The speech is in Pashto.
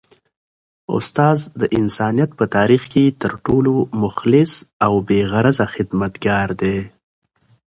استاد د انسانیت په تاریخ کي تر ټولو مخلص او بې غرضه خدمتګار دی.